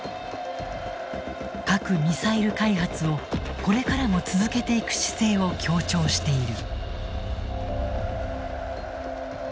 核・ミサイル開発をこれからも続けていく姿勢を強調している。